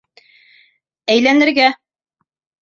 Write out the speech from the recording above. Әйләнергә!